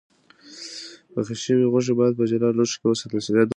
پخې شوې غوښې باید په جلا لوښو کې وساتل شي.